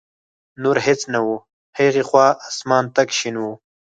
نور هېڅ نه و، هغې خوا اسمان تک شین و.